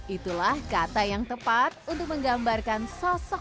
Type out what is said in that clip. itulah kata yang tepat untuk menggambarkan sosok